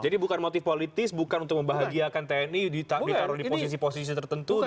jadi bukan motif politis bukan untuk membahagiakan tni ditaruh di posisi posisi tertentu